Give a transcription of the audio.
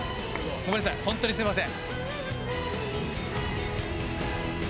ごめんなさいほんとにすいません！